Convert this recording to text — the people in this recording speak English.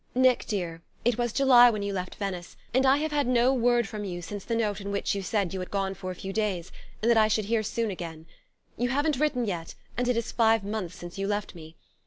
"Nick dear, it was July when you left Venice, and I have had no word from you since the note in which you said you had gone for a few days, and that I should hear soon again. "You haven't written yet, and it is five months since you left me.